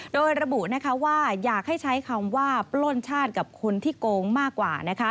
โดยระบุว่าอยากให้ใช้คำว่าปล้นชาติกับคนที่โกงมากกว่า